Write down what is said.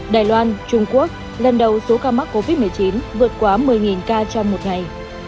đài loan trung quốc lần đầu số ca mắc covid một mươi chín vượt quá một mươi ca trong một ngày